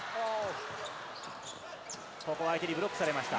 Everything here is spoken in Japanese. ここはブロックされました。